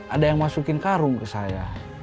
ada yang masukin karung ke saya